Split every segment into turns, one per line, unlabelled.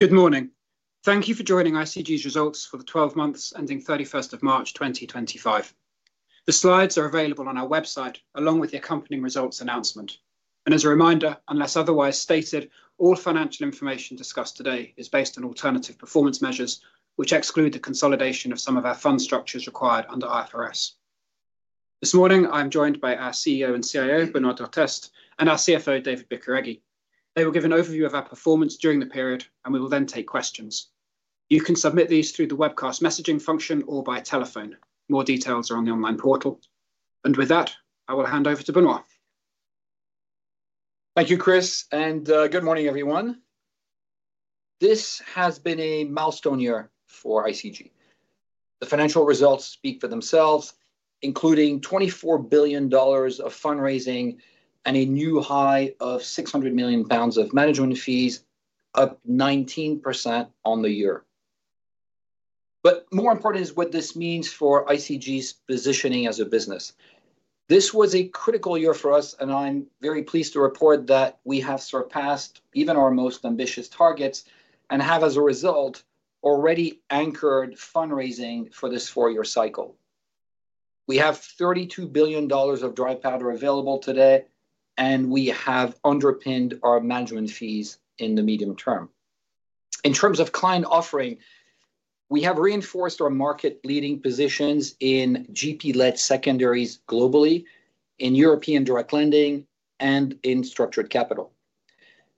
Good morning. Thank you for joining ICG's results for the 12 months ending 31 March 2025. The slides are available on our website, along with the accompanying results announcement. As a reminder, unless otherwise stated, all financial information discussed today is based on alternative performance measures, which exclude the consolidation of some of our fund structures required under IFRS. This morning, I'm joined by our CEO and CIO, Benoît Durand, and our CFO, David Bicarregui. They will give an overview of our performance during the period, and we will then take questions. You can submit these through the webcast messaging function or by telephone. More details are on the online portal. With that, I will hand over to Benoît.
Thank you, Chris, and good morning, everyone. This has been a milestone year for ICG. The financial results speak for themselves, including $24 billion of fundraising and a new high of 600 million pounds of management fees, up 19% on the year. More important is what this means for ICG's positioning as a business. This was a critical year for us, and I'm very pleased to report that we have surpassed even our most ambitious targets and have, as a result, already anchored fundraising for this four-year cycle. We have $32 billion of dry powder available today, and we have underpinned our management fees in the medium term. In terms of client offering, we have reinforced our market-leading positions in GP-led secondaries globally, in European direct lending, and in structured capital.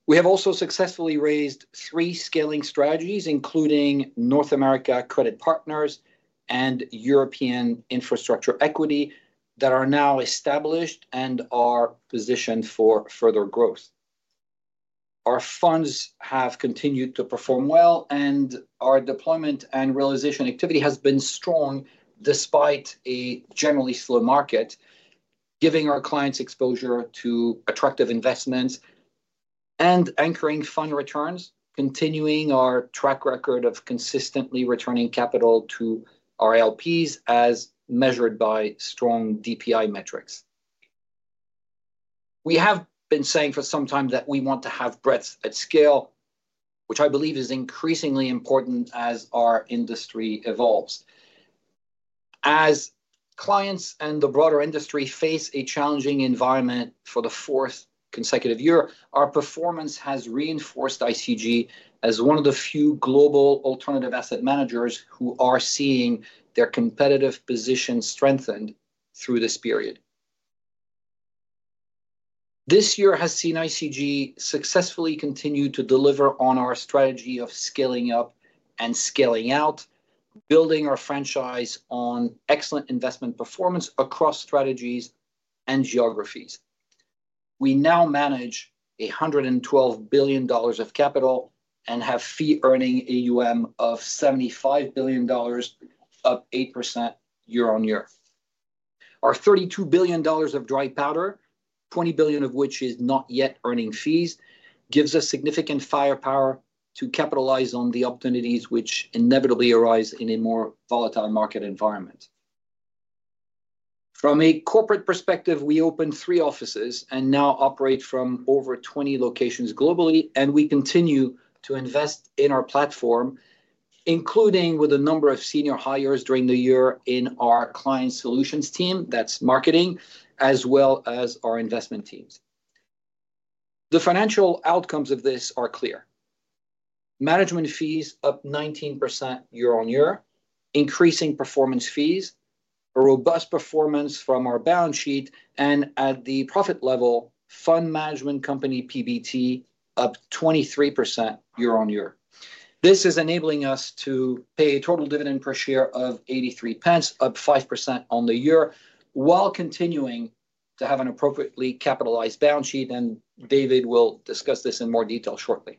We have also successfully raised three scaling strategies, including North America Credit Partners and European Infrastructure Equity, that are now established and are positioned for further growth. Our funds have continued to perform well, and our deployment and realization activity has been strong despite a generally slow market, giving our clients exposure to attractive investments and anchoring fund returns, continuing our track record of consistently returning capital to our LPs as measured by strong DPI metrics. We have been saying for some time that we want to have breadth at scale, which I believe is increasingly important as our industry evolves. As clients and the broader industry face a challenging environment for the 4th consecutive year, our performance has reinforced ICG as one of the few global alternative asset managers who are seeing their competitive position strengthened through this period. This year has seen ICG successfully continue to deliver on our strategy of scaling up and scaling out, building our franchise on excellent investment performance across strategies and geographies. We now manage $112 billion of capital and have fee-earning AUM of $75 billion, up 8% year on year. Our $32 billion of dry powder, $20 billion of which is not yet earning fees, gives us significant firepower to capitalize on the opportunities which inevitably arise in a more volatile market environment. From a corporate perspective, we opened three offices and now operate from over 20 locations globally, and we continue to invest in our platform, including with a number of senior hires during the year in our client solutions team, that's marketing, as well as our investment teams. The financial outcomes of this are clear: management fees up 19% year-on-year, increasing performance fees, a robust performance from our balance sheet, and at the profit level, fund management company PBT up 23% year-on-year. This is enabling us to pay a total dividend per share of 0.83, up 5% on the year, while continuing to have an appropriately capitalized balance sheet, and David will discuss this in more detail shortly.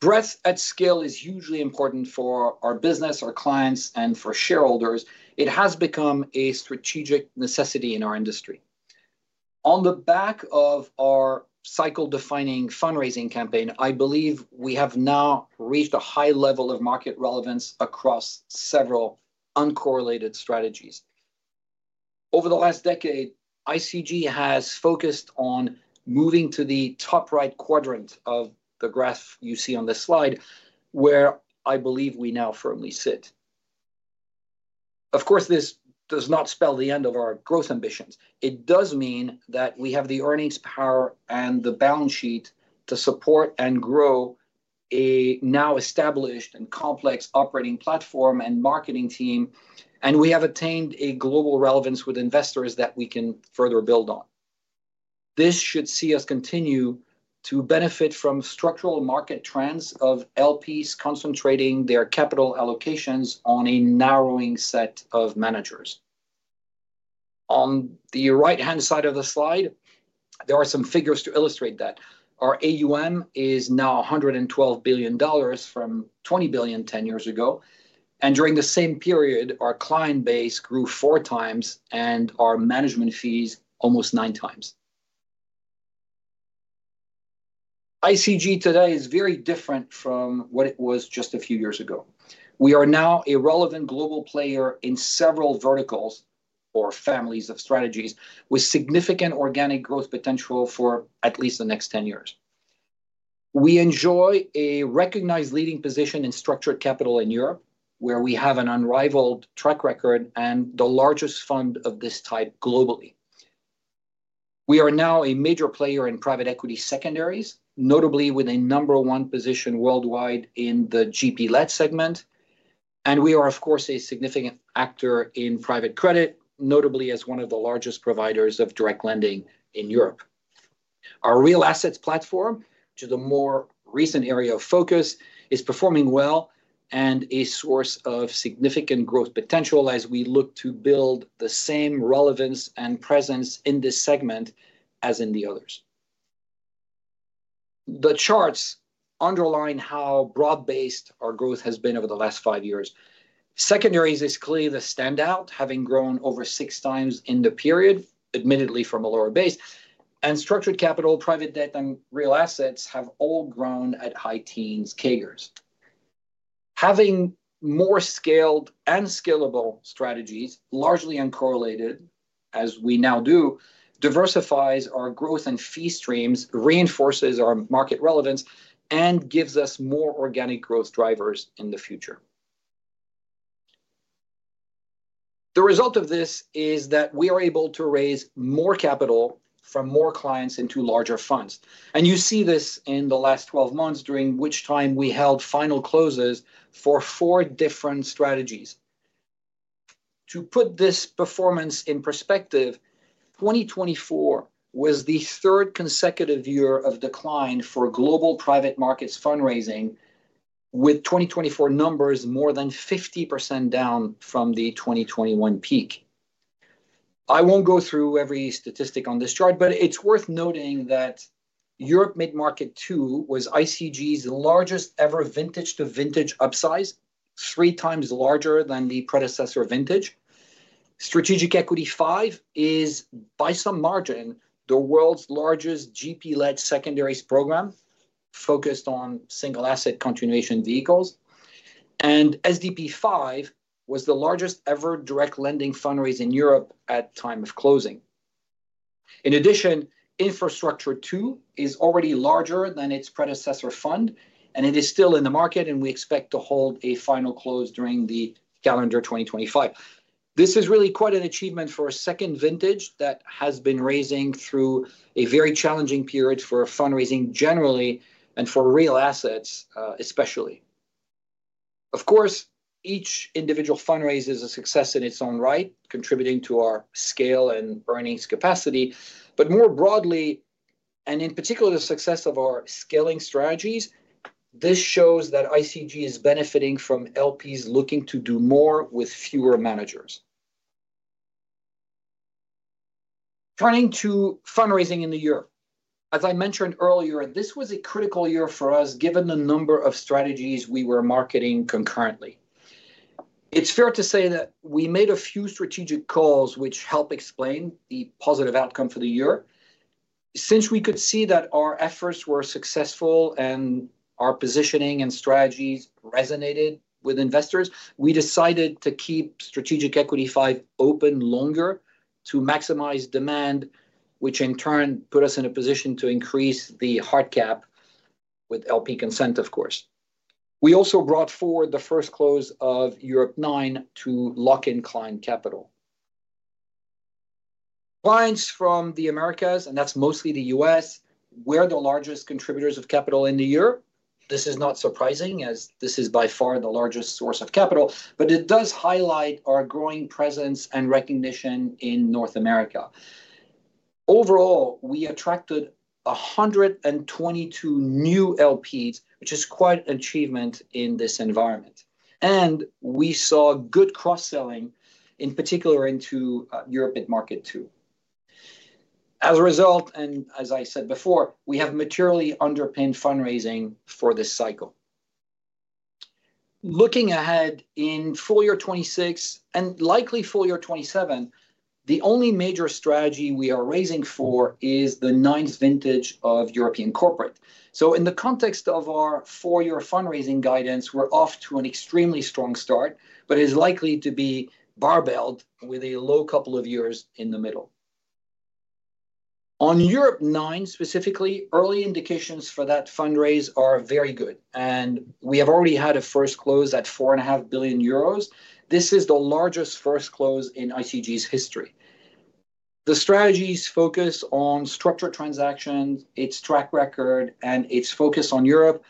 Breadth at scale is hugely important for our business, our clients, and for shareholders. It has become a strategic necessity in our industry. On the back of our cycle-defining fundraising campaign, I believe we have now reached a high level of market relevance across several uncorrelated strategies. Over the last decade, ICG has focused on moving to the top right quadrant of the graph you see on this slide, where I believe we now firmly sit. Of course, this does not spell the end of our growth ambitions. It does mean that we have the earnings power and the balance sheet to support and grow a now established and complex operating platform and marketing team, and we have attained a global relevance with investors that we can further build on. This should see us continue to benefit from structural market trends of LPs concentrating their capital allocations on a narrowing set of managers. On the right-hand side of the slide, there are some figures to illustrate that. Our AUM is now $112 billion from $20 billion 10 years ago, and during the same period, our client base grew 4x and our management fees almost 9x. ICG today is very different from what it was just a few years ago. We are now a relevant global player in several verticals or families of strategies with significant organic growth potential for at least the next 10 years. We enjoy a recognized leading position in structured capital in Europe, where we have an unrivaled track record and the largest fund of this type globally. We are now a major player in private equity secondaries, notably with a number one position worldwide in the GP-led segment, and we are, of course, a significant actor in private credit, notably as one of the largest providers of direct lending in Europe. Our real assets platform, which is a more recent area of focus, is performing well and a source of significant growth potential as we look to build the same relevance and presence in this segment as in the others. The charts underline how broad-based our growth has been over the last five years. Secondaries is clearly the standout, having grown over 6x in the period, admittedly from a lower base, and structured capital, private debt, and real assets have all grown at high teens, Kagers. Having more scaled and scalable strategies, largely uncorrelated as we now do, diversifies our growth and fee streams, reinforces our market relevance, and gives us more organic growth drivers in the future. The result of this is that we are able to raise more capital from more clients into larger funds. You see this in the last 12 months, during which time we held final closes for four different strategies. To put this performance in perspective, 2024 was the third consecutive year of decline for global private markets fundraising, with 2024 numbers more than 50% down from the 2021 peak. I won't go through every statistic on this chart, but it's worth noting that Europe Mid-Market II was ICG's largest ever vintage-to-vintage upsize, three times larger than the predecessor vintage. Strategic Equity Five is, by some margin, the world's largest GP-led secondaries program focused on single-asset continuation vehicles, and SDP V was the largest ever direct lending fundraising in Europe at the time of closing. In addition, Infrastructure Two is already larger than its predecessor fund, and it is still in the market, and we expect to hold a final close during calendar 2025. This is really quite an achievement for a 2nd vintage that has been raising through a very challenging period for fundraising generally and for real assets especially. Of course, each individual fundraise is a success in its own right, contributing to our scale and earnings capacity, but more broadly, and in particular the success of our scaling strategies, this shows that ICG is benefiting from LPs looking to do more with fewer managers. Turning to fundraising in the year, as I mentioned earlier, this was a critical year for us given the number of strategies we were marketing concurrently. It's fair to say that we made a few strategic calls which help explain the positive outcome for the year. Since we could see that our efforts were successful and our positioning and strategies resonated with investors, we decided to keep Strategic Equity Five open longer to maximize demand, which in turn put us in a position to increase the hard cap with LP consent, of course. We also brought forward the first close of Europe Nine to lock in client capital. Clients from the Americas, and that's mostly the U.S., were the largest contributors of capital in the year. This is not surprising as this is by far the largest source of capital, but it does highlight our growing presence and recognition in North America. Overall, we attracted 122 new LPs, which is quite an achievement in this environment, and we saw good cross-selling, in particular into Europe Mid-Market II. As a result, and as I said before, we have materially underpinned fundraising for this cycle. Looking ahead in full year 2026 and likely full year 2027, the only major strategy we are raising for is the 9th vintage of European corporate. In the context of our four-year fundraising guidance, we're off to an extremely strong start, but it is likely to be barbelled with a low couple of years in the middle. On Europe Nine specifically, early indications for that fundraise are very good, and we have already had a first close at 4.5 billion euros. This is the largest first close in ICG's history. The strategy's focus on structured transactions, its track record, and its focus on Europe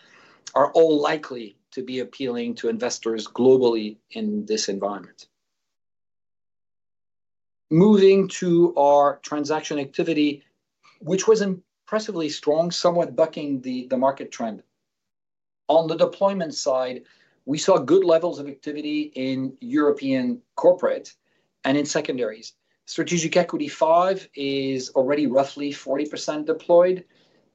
are all likely to be appealing to investors globally in this environment. Moving to our transaction activity, which was impressively strong, somewhat bucking the market trend. On the deployment side, we saw good levels of activity in European corporate and in secondaries. Strategic Equity Five is already roughly 40% deployed,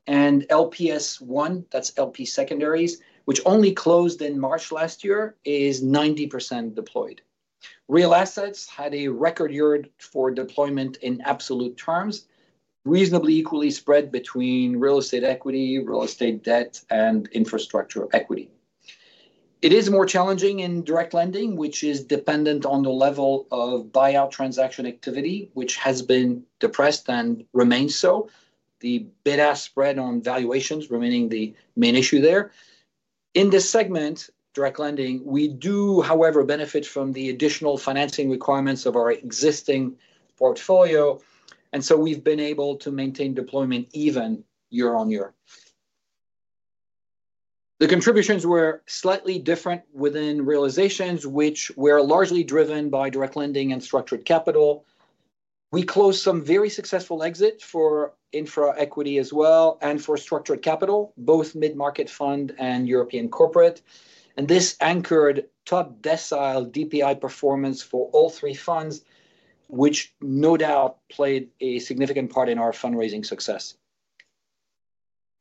and LPS One, that's LP secondaries, which only closed in March last year, is 90% deployed. Real assets had a record year for deployment in absolute terms, reasonably equally spread between real estate equity, real estate debt, and infrastructure equity. It is more challenging in direct lending, which is dependent on the level of buyout transaction activity, which has been depressed and remains so. The bid-ask spread on valuations remaining the main issue there. In this segment, direct lending, we do, however, benefit from the additional financing requirements of our existing portfolio, and so we've been able to maintain deployment even year-on-year. The contributions were slightly different within realizations, which were largely driven by direct lending and structured capital. We closed some very successful exits for infrastructure equity as well and for structured capital, both mid-market fund and European corporate, and this anchored top decile DPI performance for all three funds, which no doubt played a significant part in our fundraising success.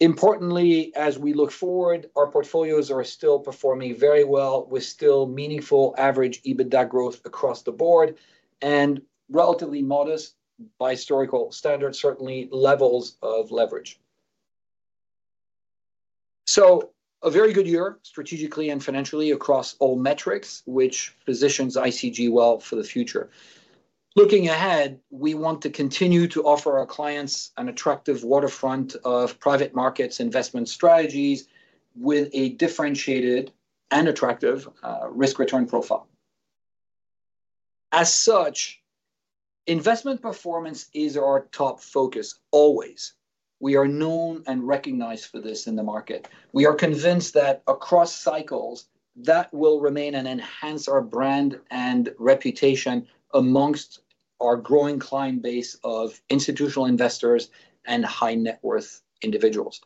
Importantly, as we look forward, our portfolios are still performing very well with still meaningful average EBITDA growth across the board and relatively modest, by historical standards, certainly levels of leverage. A very good year strategically and financially across all metrics, which positions ICG well for the future. Looking ahead, we want to continue to offer our clients an attractive waterfront of private markets investment strategies with a differentiated and attractive risk-return profile. As such, investment performance is our top focus always. We are known and recognized for this in the market. We are convinced that across cycles that will remain and enhance our brand and reputation amongst our growing client base of institutional investors and high-net-worth individuals.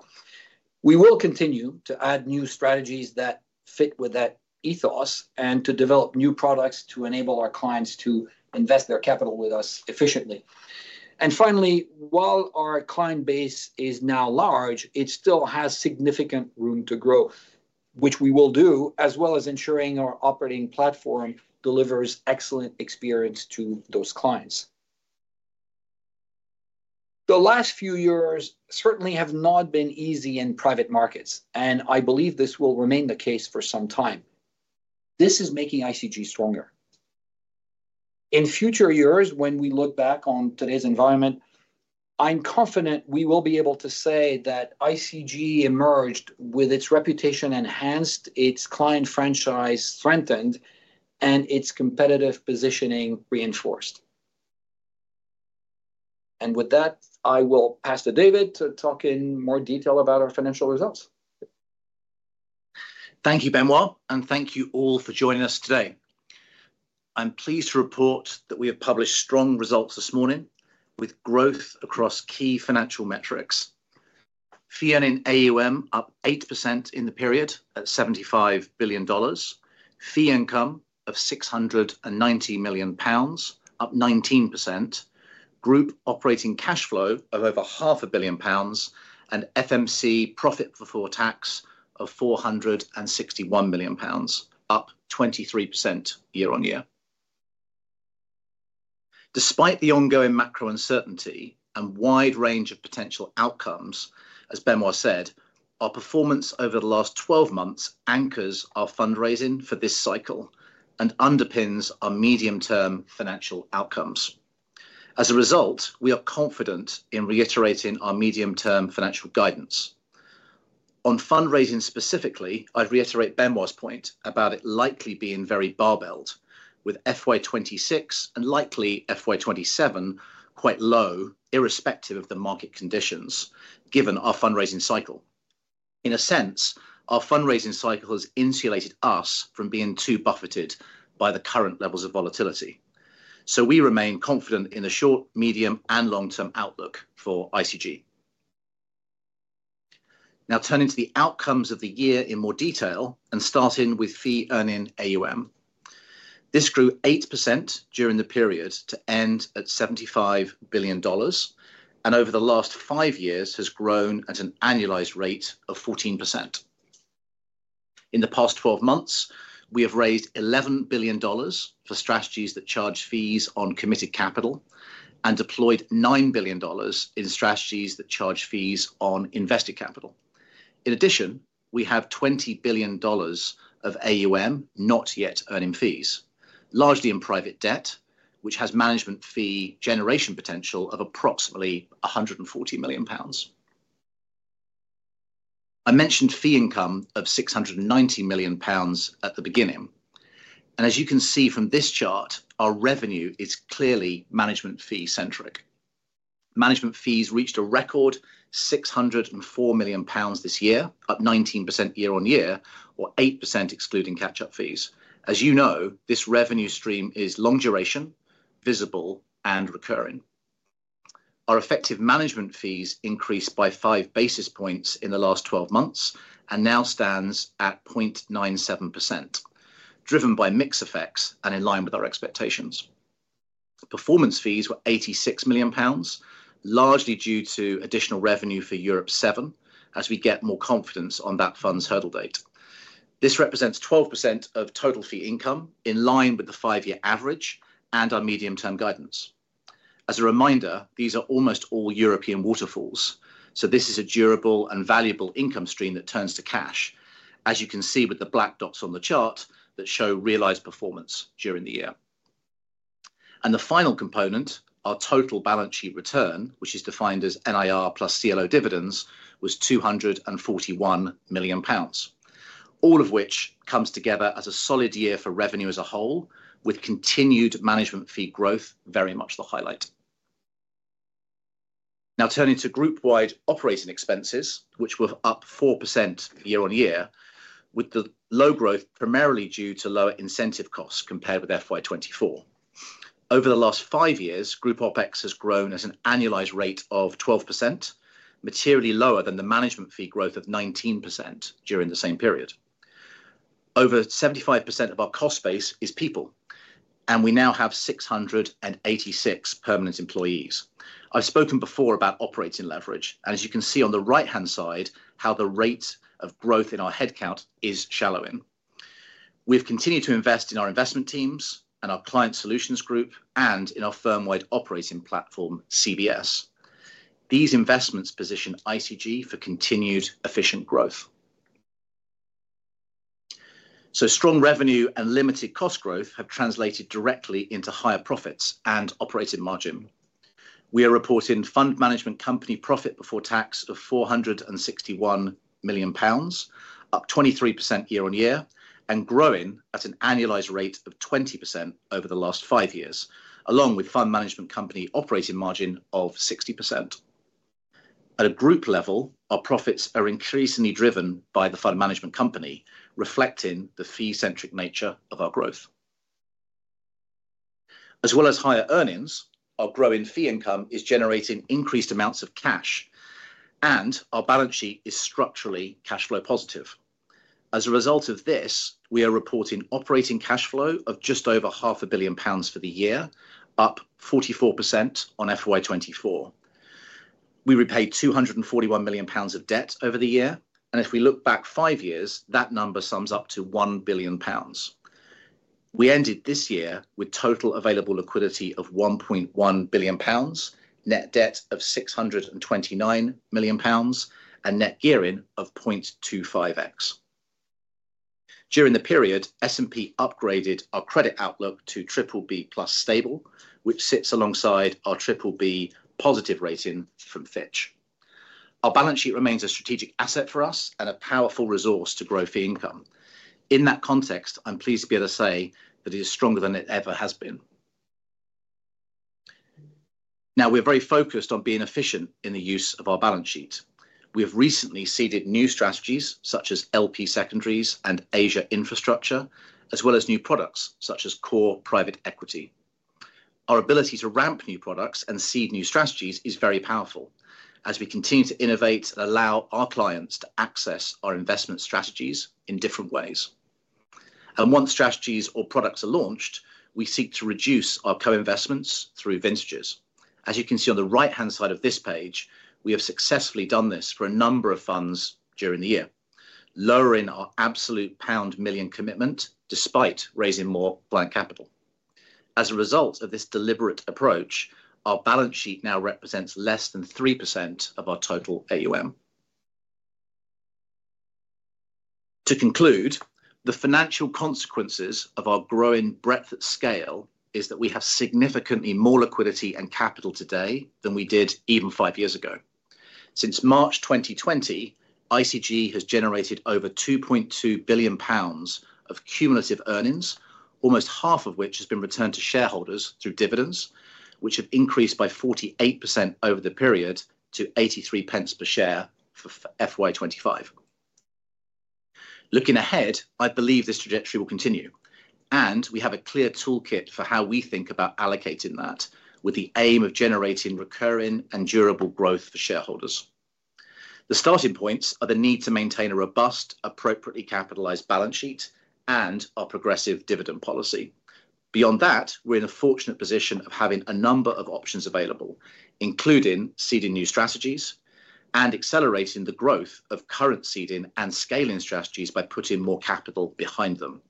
We will continue to add new strategies that fit with that ethos and to develop new products to enable our clients to invest their capital with us efficiently. Finally, while our client base is now large, it still has significant room to grow, which we will do, as well as ensuring our operating platform delivers excellent experience to those clients. The last few years certainly have not been easy in private markets, and I believe this will remain the case for some time. This is making ICG stronger. In future years, when we look back on today's environment, I'm confident we will be able to say that ICG emerged with its reputation enhanced, its client franchise strengthened, and its competitive positioning reinforced. With that, I will pass to David to talk in more detail about our financial results.
Thank you, Benoît, and thank you all for joining us today. I'm pleased to report that we have published strong results this morning with growth across key financial metrics. Fee-earning AUM up 8% in the period at $75 billion, fee income of 690 million pounds, up 19%, group operating cash flow of over 500 million pounds, and FMC profit before tax of 461 million pounds, up 23% year on year. Despite the ongoing macro uncertainty and wide range of potential outcomes, as Benoît said, our performance over the last 12 months anchors our fundraising for this cycle and underpins our medium-term financial outcomes. As a result, we are confident in reiterating our medium-term financial guidance. On fundraising specifically, I'd reiterate Benoît's point about it likely being very barbelled, with FY 2026 and likely FY 2027 quite low irrespective of the market conditions given our fundraising cycle. In a sense, our fundraising cycle has insulated us from being too buffeted by the current levels of volatility. We remain confident in the short, medium, and long-term outlook for ICG. Now turning to the outcomes of the year in more detail and starting with fee-earning AUM. This grew 8% during the period to end at $75 billion and over the last five years has grown at an annualized rate of 14%. In the past 12 months, we have raised $11 billion for strategies that charge fees on committed capital and deployed $9 billion in strategies that charge fees on invested capital. In addition, we have $20 billion of AUM not yet earning fees, largely in private debt, which has management fee generation potential of approximately 140 million pounds. I mentioned fee income of 690 million pounds at the beginning, and as you can see from this chart, our revenue is clearly management fee-centric. Management fees reached a record 604 million pounds this year, up 19% year-on-year or 8% excluding catch-up fees. As you know, this revenue stream is long duration, visible, and recurring. Our effective management fees increased by five basis points in the last 12 months and now stands at 0.97%, driven by mixed effects and in line with our expectations. Performance fees were 86 million pounds, largely due to additional revenue for Europe Seven as we get more confidence on that fund's hurdle date. This represents 12% of total fee income in line with the five-year average and our medium-term guidance. As a reminder, these are almost all European waterfalls, so this is a durable and valuable income stream that turns to cash, as you can see with the black dots on the chart that show realized performance during the year. The final component, our total balance sheet return, which is defined as NIR plus CLO dividends, was 241 million pounds, all of which comes together as a solid year for revenue as a whole, with continued management fee growth very much the highlight. Now turning to group-wide operating expenses, which were up 4% year-on-year, with the low growth primarily due to lower incentive costs compared with FY 2024. Over the last five years, group OpEx has grown at an annualized rate of 12%, materially lower than the management fee growth of 19% during the same period. Over 75% of our cost base is people, and we now have 686 permanent employees. I have spoken before about operating leverage, and as you can see on the right-hand side how the rate of growth in our headcount is shallowing. We've continued to invest in our investment teams and our client solutions group and in our firm-wide operating platform, CBS. These investments position ICG for continued efficient growth. Strong revenue and limited cost growth have translated directly into higher profits and operating margin. We are reporting fund management company profit before tax of 461 million pounds, up 23% year-on-year, and growing at an annualized rate of 20% over the last five years, along with fund management company operating margin of 60%. At a group level, our profits are increasingly driven by the fund management company, reflecting the fee-centric nature of our growth. As well as higher earnings, our growing fee income is generating increased amounts of cash, and our balance sheet is structurally cash flow positive. As a result of this, we are reporting operating cash flow of just over 500,000,000 pounds for the year, up 44% on FY 2024. We repaid 241 million pounds of debt over the year, and if we look back five years, that number sums up to 1 billion pounds. We ended this year with total available liquidity of 1.1 billion pounds, net debt of 629,000,000 pounds, and net gearing of 0.25x. During the period, S&P Global Ratings upgraded our credit outlook to BBB+ stable, which sits alongside our BBB+ positive rating from Fitch Ratings. Our balance sheet remains a strategic asset for us and a powerful resource to grow fee income. In that context, I'm pleased to be able to say that it is stronger than it ever has been. Now, we're very focused on being efficient in the use of our balance sheet. We have recently seeded new strategies such as LP secondaries and Asia infrastructure, as well as new products such as core private equity. Our ability to ramp new products and seed new strategies is very powerful as we continue to innovate and allow our clients to access our investment strategies in different ways. Once strategies or products are launched, we seek to reduce our co-investments through vintages. As you can see on the right-hand side of this page, we have successfully done this for a number of funds during the year, lowering our absolute pound million commitment despite raising more capital. As a result of this deliberate approach, our balance sheet now represents less than 3% of our total AUM. To conclude, the financial consequences of our growing breadth and scale is that we have significantly more liquidity and capital today than we did even five years ago. Since March 2020, ICG has generated over 2.2 billion pounds of cumulative earnings, almost half of which has been returned to shareholders through dividends, which have increased by 48% over the period to 0.83 per share for FY 2025. Looking ahead, I believe this trajectory will continue, and we have a clear toolkit for how we think about allocating that with the aim of generating recurring and durable growth for shareholders. The starting points are the need to maintain a robust, appropriately capitalized balance sheet and our progressive dividend policy. Beyond that, we're in a fortunate position of having a number of options available, including seeding new strategies and accelerating the growth of current seeding and scaling strategies by putting more capital behind them.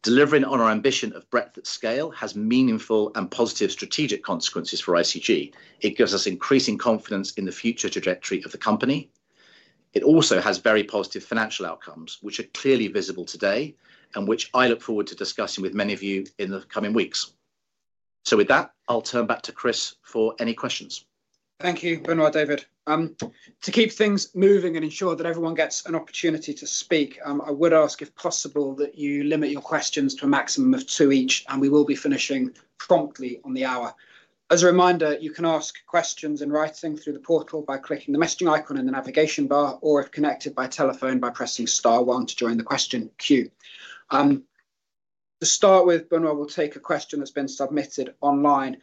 Delivering on our ambition of breadth scale has meaningful and positive strategic consequences for ICG. It gives us increasing confidence in the future trajectory of the company. It also has very positive financial outcomes, which are clearly visible today and which I look forward to discussing with many of you in the coming weeks.
With that, I'll turn back to Chris for any questions. Thank you, Benoît, David. To keep things moving and ensure that everyone gets an opportunity to speak, I would ask if possible that you limit your questions to a maximum of two each, and we will be finishing promptly on the hour. As a reminder, you can ask questions in writing through the portal by clicking the messaging icon in the navigation bar or, if connected by telephone, by pressing star one to join the question queue. To start with, Benoît, we'll take a question that's been submitted online.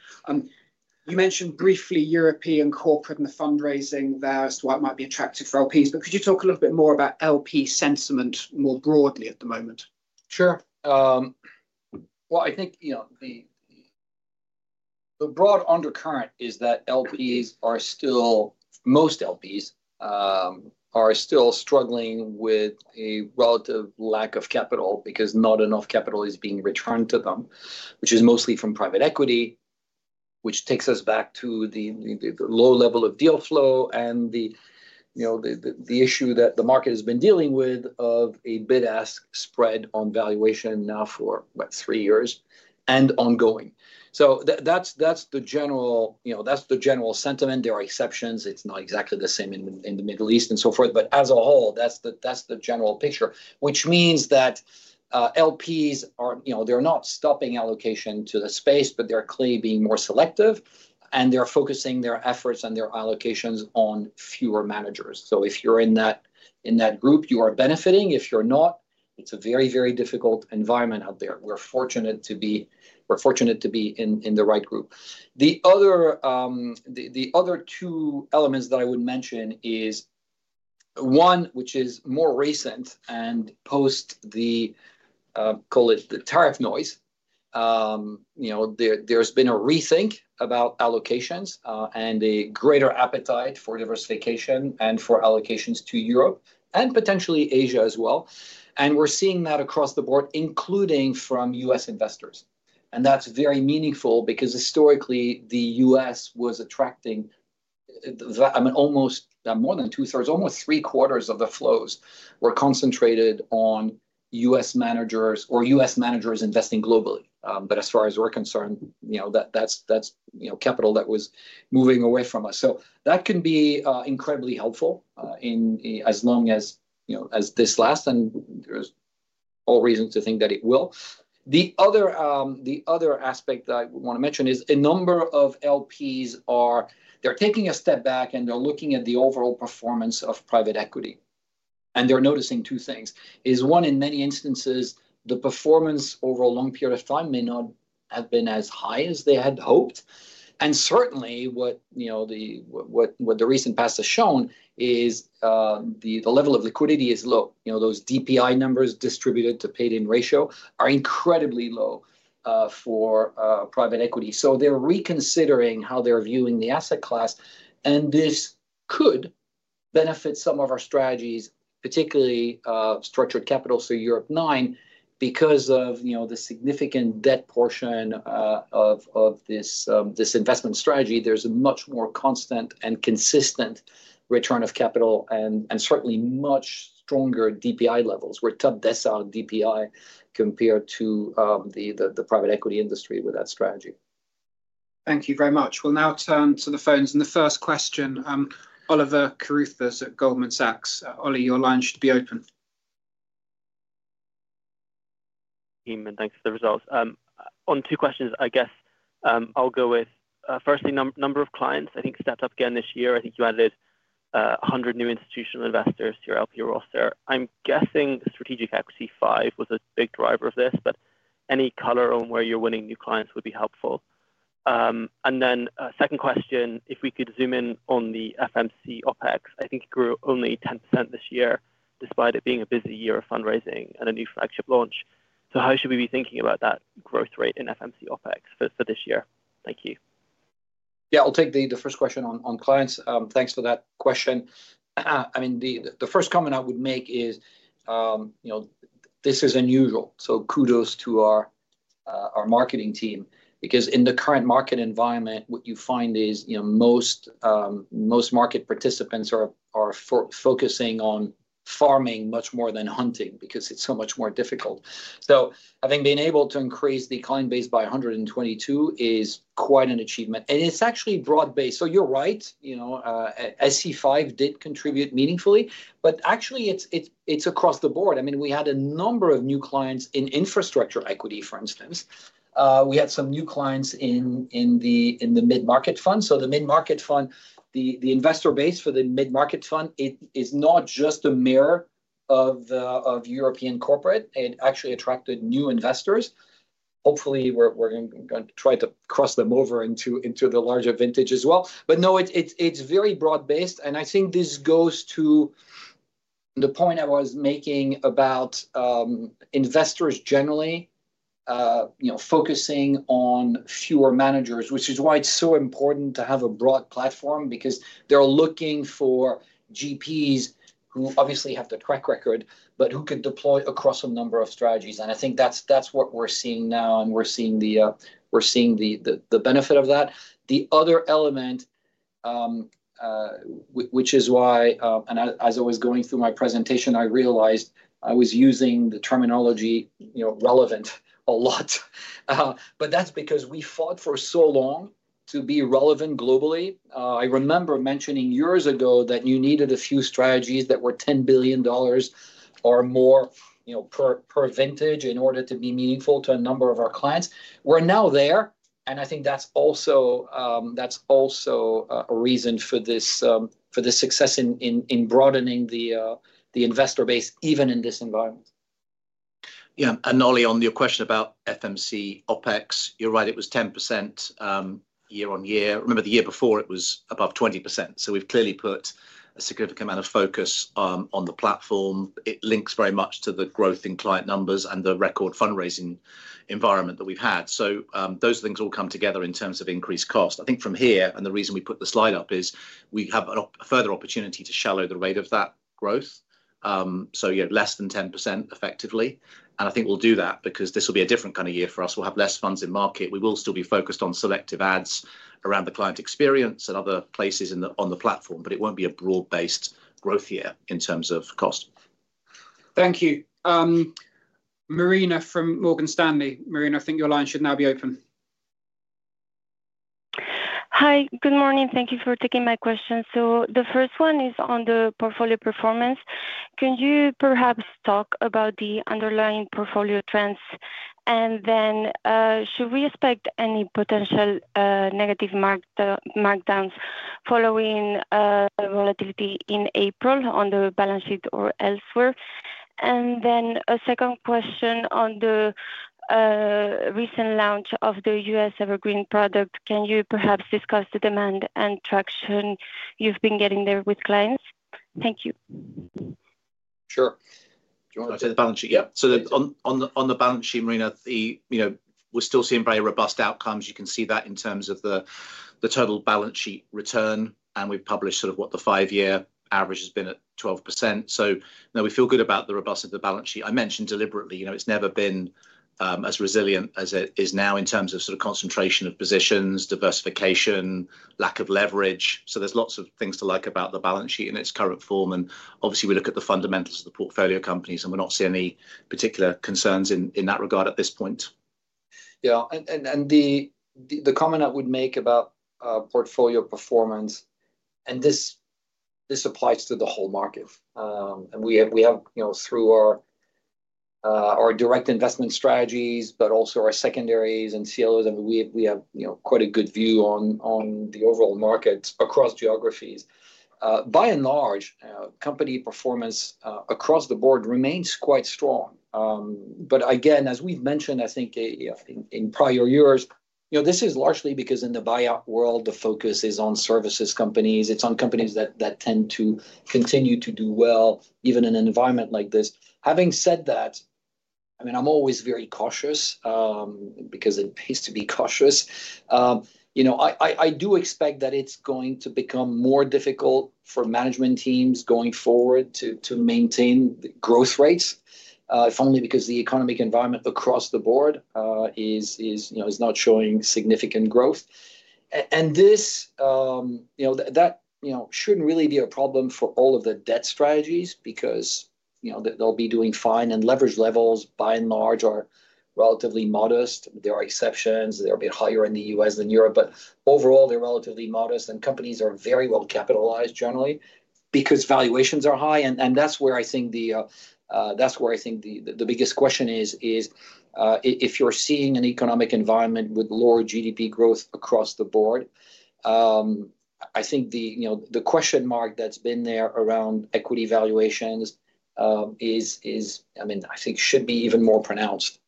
You mentioned briefly European corporate and the fundraising there as to why it might be attractive for LPs, but could you talk a little bit more about LP sentiment more broadly at the moment?
Sure. I think the broad undercurrent is that LPs are still, most LPs are still struggling with a relative lack of capital because not enough capital is being returned to them, which is mostly from private equity, which takes us back to the low level of deal flow and the issue that the market has been dealing with of a bid-ask spread on valuation now for about three years and ongoing. That is the general sentiment. There are exceptions. It's not exactly the same in the Middle East and so forth, but as a whole, that's the general picture, which means that LPs, they're not stopping allocation to the space, but they're clearly being more selective, and they're focusing their efforts and their allocations on fewer managers. If you're in that group, you are benefiting. If you're not, it's a very, very difficult environment out there. We're fortunate to be in the right group. The other two elements that I would mention is one, which is more recent and post the, call it the tariff noise. There's been a rethink about allocations and a greater appetite for diversification and for allocations to Europe and potentially Asia as well. We're seeing that across the board, including from US investors. That is very meaningful because historically, the U.S. was attracting almost more than two-thirds, almost three-quarters of the flows were concentrated on U.S. managers or U.S. managers investing globally. As far as we are concerned, that is capital that was moving away from us. That can be incredibly helpful as long as this lasts, and there is every reason to think that it will. The other aspect that I want to mention is a number of LPs, they are taking a step back and they are looking at the overall performance of private equity. They are noticing two things. One, in many instances, the performance over a long period of time may not have been as high as they had hoped. Certainly, what the recent past has shown is the level of liquidity is low. Those DPI numbers, distributed to paid-in ratio, are incredibly low for private equity. They're reconsidering how they're viewing the asset class, and this could benefit some of our strategies, particularly structured capital for Europe Nine, because of the significant debt portion of this investment strategy. There's a much more constant and consistent return of capital and certainly much stronger DPI levels. We're top decile DPI compared to the private equity industry with that strategy.
Thank you very much. We'll now turn to the phones. The first question, Oliver Carruthers at Goldman Sachs. Ollie, your line should be open.
Thanks for the results. On two questions, I guess I'll go with firstly, number of clients. I think stepped up again this year. I think you added 100 new institutional investors to your LP role. I'm guessing Strategic Equity Five was a big driver of this, but any color on where you're winning new clients would be helpful. Then second question, if we could zoom in on the FMC Opex, I think it grew only 10% this year despite it being a busy year of fundraising and a new flagship launch. How should we be thinking about that growth rate in FMC Opex for this year? Thank you.
Yeah, I'll take the first question on clients. Thanks for that question. I mean, the first comment I would make is this is unusual. Kudos to our marketing team because in the current market environment, what you find is most market participants are focusing on farming much more than hunting because it's so much more difficult. I think being able to increase the client base by 122 is quite an achievement. It's actually broad-based. You're right. SE5 did contribute meaningfully, but actually, it's across the board. I mean, we had a number of new clients in infrastructure equity, for instance. We had some new clients in the mid-market fund. The mid-market fund, the investor base for the mid-market fund, is not just a mirror of European corporate. It actually attracted new investors. Hopefully, we're going to try to cross them over into the larger vintage as well. It is very broad-based. I think this goes to the point I was making about investors generally focusing on fewer managers, which is why it is so important to have a broad platform because they're looking for GPs who obviously have the track record, but who can deploy across a number of strategies. I think that's what we're seeing now, and we're seeing the benefit of that. The other element, which is why, and as I was going through my presentation, I realized I was using the terminology relevant a lot, but that's because we fought for so long to be relevant globally. I remember mentioning years ago that you needed a few strategies that were $10 billion or more per vintage in order to be meaningful to a number of our clients. We're now there, and I think that's also a reason for the success in broadening the investor base even in this environment.
Yeah. And Ollie, on your question about FMC OpEx, you're right. It was 10% year-on-year. Remember, the year before, it was above 20%. So we've clearly put a significant amount of focus on the platform. It links very much to the growth in client numbers and the record fundraising environment that we've had. Those things all come together in terms of increased cost. I think from here, and the reason we put the slide up is we have a further opportunity to shallow the rate of that growth. Less than 10% effectively. I think we'll do that because this will be a different kind of year for us. We'll have fewer funds in market. We will still be focused on selective ads around the client experience and other places on the platform, but it will not be a broad-based growth year in terms of cost.
Thank you. Marina from Morgan Stanley. Marina, I think your line should now be open.
Hi. Good morning. Thank you for taking my question. The first one is on the portfolio performance. Can you perhaps talk about the underlying portfolio trends? Should we expect any potential negative markdowns following volatility in April on the balance sheet or elsewhere? A second question on the recent launch of the US Evergreen product. Can you perhaps discuss the demand and traction you have been getting there with clients? Thank you.
Sure. Do you want to say the balance sheet? Yeah. On the balance sheet, Marina, we are still seeing very robust outcomes. You can see that in terms of the total balance sheet return, and we have published what the five-year average has been at 12%. We feel good about the robustness of the balance sheet. I mentioned deliberately, it has never been as resilient as it is now in terms of concentration of positions, diversification, lack of leverage. There are lots of things to like about the balance sheet in its current form. Obviously, we look at the fundamentals of the portfolio companies, and we're not seeing any particular concerns in that regard at this point.
Yeah. The comment I would make about portfolio performance, and this applies to the whole market. We have, through our direct investment strategies, but also our secondaries and CLOs, quite a good view on the overall markets across geographies. By and large, company performance across the board remains quite strong. Again, as we've mentioned, I think in prior years, this is largely because in the buyout world, the focus is on services companies. It's on companies that tend to continue to do well even in an environment like this. Having said that, I mean, I'm always very cautious because it pays to be cautious. I do expect that it's going to become more difficult for management teams going forward to maintain growth rates, if only because the economic environment across the board is not showing significant growth. That shouldn't really be a problem for all of the debt strategies because they'll be doing fine. Leverage levels, by and large, are relatively modest. There are exceptions. They're a bit higher in the U.S. than Europe, but overall, they're relatively modest. Companies are very well capitalized generally because valuations are high. That's where I think the biggest question is, if you're seeing an economic environment with lower GDP growth across the board. I think the question mark that's been there around equity valuations, I mean, I think should be even more pronounced,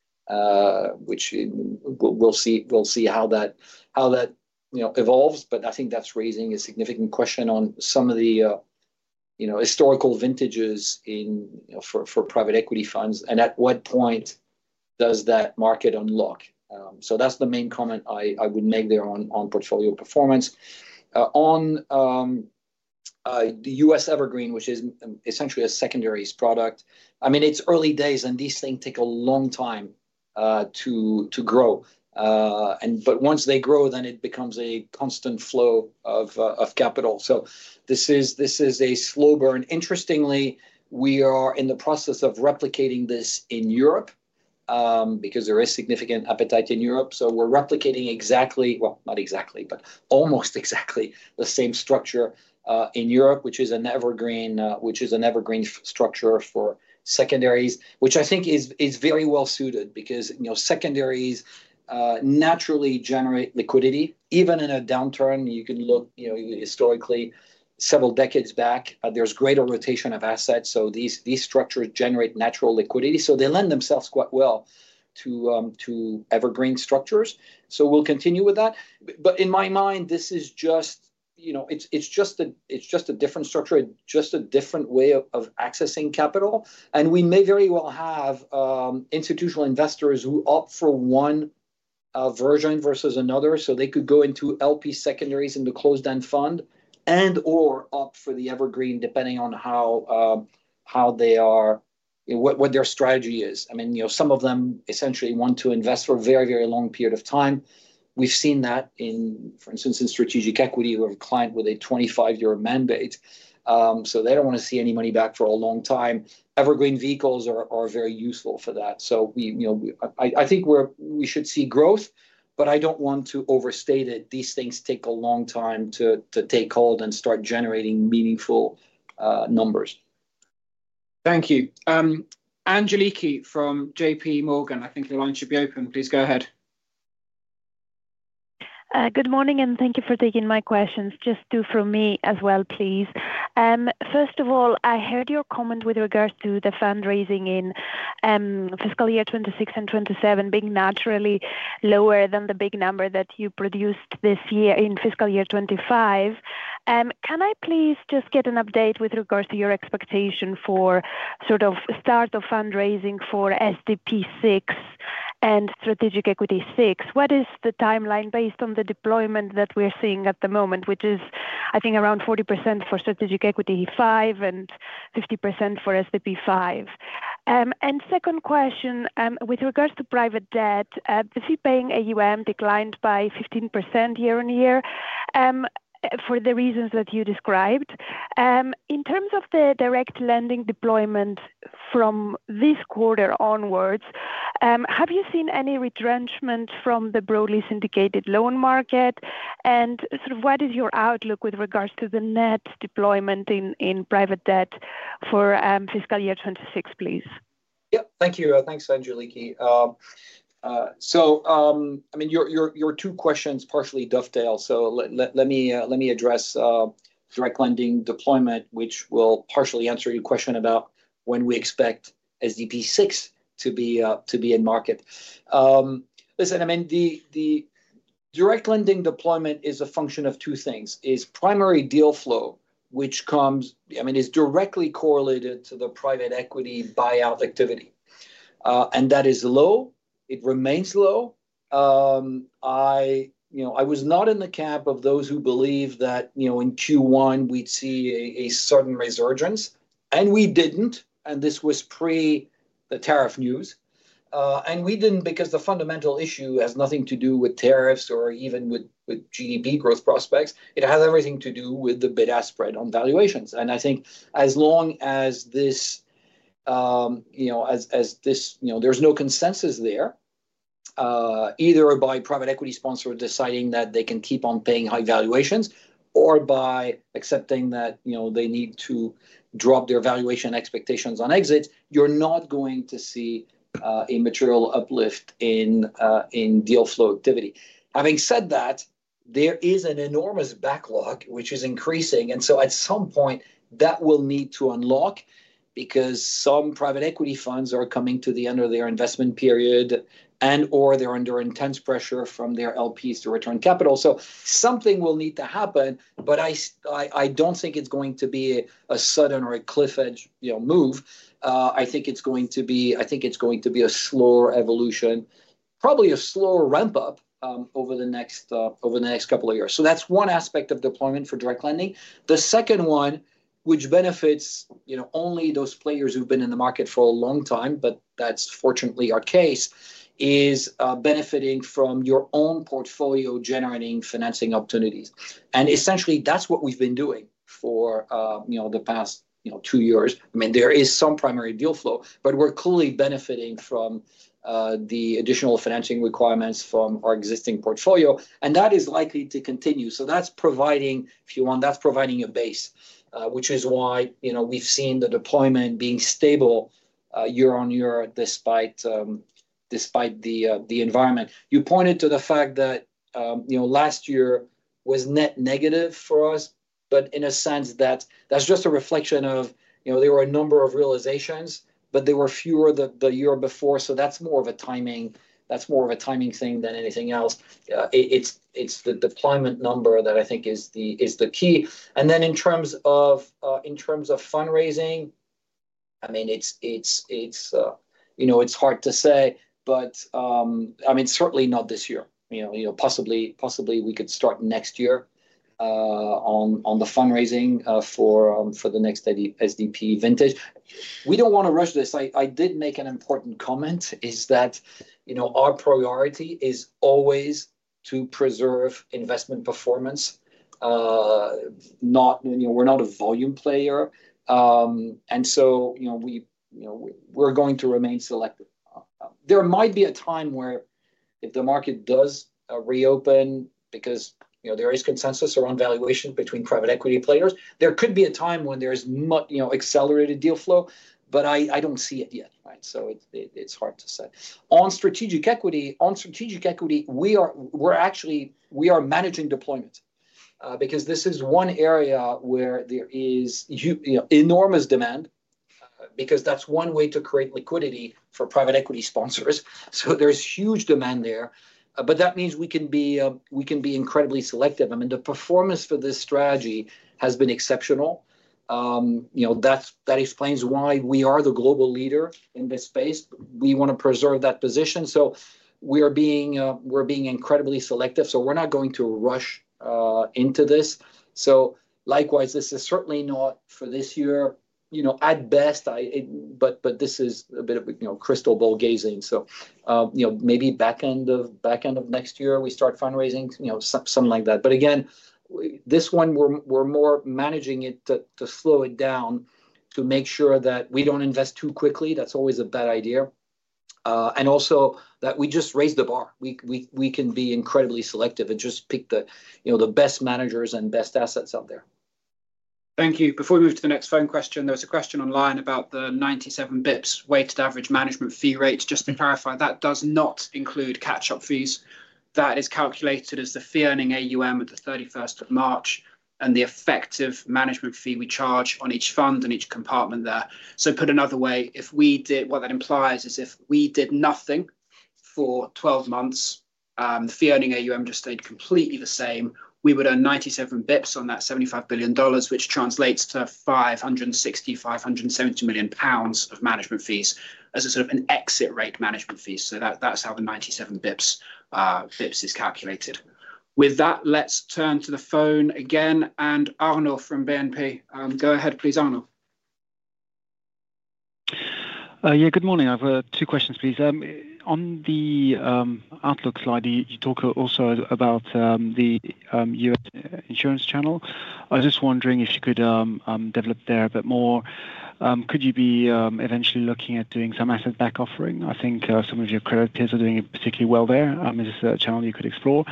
which we'll see how that evolves. I think that's raising a significant question on some of the historical vintages for private equity funds and at what point does that market unlock. That's the main comment I would make there on portfolio performance. On the US Evergreen, which is essentially a secondaries product, I mean, it's early days, and these things take a long time to grow. Once they grow, then it becomes a constant flow of capital. This is a slow burn. Interestingly, we are in the process of replicating this in Europe because there is significant appetite in Europe. We're replicating exactly, well, not exactly, but almost exactly the same structure in Europe, which is an Evergreen structure for secondaries, which I think is very well suited because secondaries naturally generate liquidity. Even in a downturn, you can look historically several decades back, there's greater rotation of assets. These structures generate natural liquidity. They lend themselves quite well to Evergreen structures. We'll continue with that. In my mind, this is just a different structure, just a different way of accessing capital. We may very well have institutional investors who opt for one version versus another. They could go into LP secondaries in the closed-end fund and/or opt for the Evergreen depending on how they are, what their strategy is. I mean, some of them essentially want to invest for a very, very long period of time. We've seen that, for instance, in strategic equity. We have a client with a 25-year mandate. They do not want to see any money back for a long time. Evergreen vehicles are very useful for that. I think we should see growth, but I do not want to overstate it. These things take a long time to take hold and start generating meaningful numbers.
Thank you. Angeliki from JP Morgan, I think your line should be open. Please go ahead.
Good morning, and thank you for taking my questions. Just two for me as well, please. First of all, I heard your comment with regards to the fundraising in fiscal year 2026 and 2027 being naturally lower than the big number that you produced this year in fiscal year 2025. Can I please just get an update with regards to your expectation for sort of start of fundraising for SDP 6 and Strategic Equity 6? What is the timeline based on the deployment that we're seeing at the moment, which is, I think, around 40% for Strategic Equity 5 and 50% for SDP 5? Second question, with regards to private debt, the fee-paying AUM declined by 15% year on year for the reasons that you described. In terms of the direct lending deployment from this quarter onwards, have you seen any retrenchment from the broadly syndicated loan market? What is your outlook with regards to the net deployment in private debt for fiscal year 2026, please?
Yep. Thank you. Thanks, Angeliki. Your two questions partially dovetail. Let me address direct lending deployment, which will partially answer your question about when we expect SDP V to be in market. Listen, the direct lending deployment is a function of two things. It is primary deal flow, which is directly correlated to the private equity buyout activity. That is low. It remains low. I was not in the camp of those who believe that in Q1, we'd see a sudden resurgence. We did not. This was pre-tariff news. We did not because the fundamental issue has nothing to do with tariffs or even with GDP growth prospects. It has everything to do with the bid-ask spread on valuations. I think as long as there is no consensus there, either by private equity sponsors deciding that they can keep on paying high valuations or by accepting that they need to drop their valuation expectations on exits, you are not going to see a material uplift in deal flow activity. Having said that, there is an enormous backlog, which is increasing. At some point, that will need to unlock because some private equity funds are coming to the end of their investment period and/or they're under intense pressure from their LPs to return capital. Something will need to happen, but I do not think it's going to be a sudden or a cliff edge move. I think it's going to be a slower evolution, probably a slower ramp-up over the next couple of years. That's one aspect of deployment for direct lending. The second one, which benefits only those players who've been in the market for a long time, but that's fortunately our case, is benefiting from your own portfolio-generating financing opportunities. Essentially, that's what we've been doing for the past two years. I mean, there is some primary deal flow, but we're clearly benefiting from the additional financing requirements from our existing portfolio. That is likely to continue. That's providing, if you want, that's providing a base, which is why we've seen the deployment being stable year on year despite the environment. You pointed to the fact that last year was net negative for us, but in a sense, that's just a reflection of there were a number of realizations, but there were fewer the year before. That's more of a timing thing than anything else. It's the deployment number that I think is the key. In terms of fundraising, I mean, it's hard to say, but I mean, certainly not this year. Possibly, we could start next year on the fundraising for the next SDP vintage. We do not want to rush this. I did make an important comment, is that our priority is always to preserve investment performance. We are not a volume player. We are going to remain selective. There might be a time where if the market does reopen because there is consensus around valuation between private equity players, there could be a time when there is accelerated deal flow, but I do not see it yet. Right? It is hard to say. On strategic equity, we are actually managing deployment because this is one area where there is enormous demand because that is one way to create liquidity for private equity sponsors. There is huge demand there. That means we can be incredibly selective. I mean, the performance for this strategy has been exceptional. That explains why we are the global leader in this space. We want to preserve that position. We are being incredibly selective. We're not going to rush into this. Likewise, this is certainly not for this year. At best, but this is a bit of crystal ball gazing. Maybe back end of next year, we start fundraising, something like that. Again, this one, we're more managing it to slow it down to make sure that we don't invest too quickly. That's always a bad idea. Also that we just raise the bar. We can be incredibly selective and just pick the best managers and best assets out there. Thank you. Before we move to the next phone question, there was a question online about the 97 basis points weighted average management fee rate. Just to clarify, that does not include catch-up fees. That is calculated as the fee-earning AUM at the 31st of March and the effective management fee we charge on each fund and each compartment there. Put another way, what that implies is if we did nothing for 12 months, the fee-earning AUM just stayed completely the same. We would earn 97 basis points on that $75 billion, which translates to 560 million-570 million pounds of management fees as a sort of an exit rate management fee. That is how the 97 basis points is calculated.
With that, let's turn to the phone again. Arnold from BNP, go ahead, please, Arnold.
Yeah, good morning. I've got two questions, please. On the Outlook slide, you talk also about the US insurance channel. I was just wondering if you could develop there a bit more. Could you be eventually looking at doing some asset-back offering? I think some of your credit peers are doing particularly well there. Is this a channel you could explore?